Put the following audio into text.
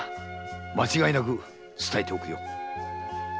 間違いなく伝えておくよ。